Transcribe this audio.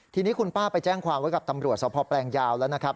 ทีนี้คุณป้าไปแจ้งความไว้กับตำรวจสพแปลงยาวแล้วนะครับ